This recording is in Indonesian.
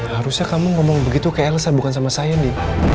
harusnya kamu ngomong begitu ke elsa bukan sama saya ndi